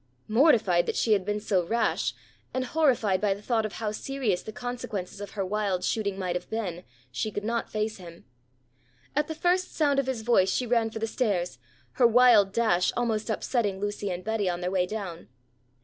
Mortified that she had been so rash, and horrified by the thought of how serious the consequences of her wild shooting might have been, she could not face him. At the first sound of his voice she ran for the stairs, her wild dash almost upsetting Lucy and Betty on their way down.